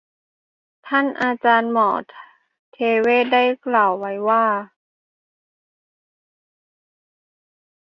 ท่านอาจารย์หมอเทเวศได้กล่าวไว้ว่า